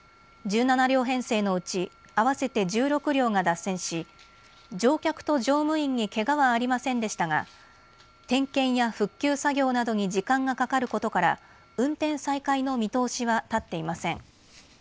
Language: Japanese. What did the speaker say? １７両編成のうち合わせて１６両が脱線し乗客と乗務員にけがはありませんでしたが点検や復旧作業などに時間がかかることから運転再開の見通しは立っていません。